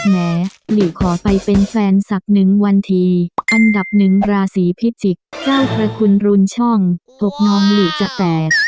แหมหลีขอไปเป็นแฟนสักหนึ่งวันทีอันดับหนึ่งราศีพิจิกษ์เจ้าพระคุณรุนช่องอกน้องหลีจะแตก